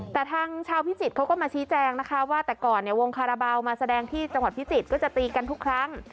แต่ทางชาวพิจิตรเขาก็มาชี้แจงนะคะว่าแต่ก่อนเนี่ยวงคาราบาลมาแสดงที่จังหวัดพิจิตรก็จะตีกันทุกครั้ง